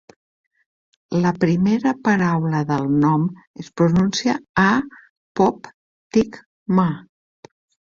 La primera paraula del nom es pronuncia a-pop-tig-ma.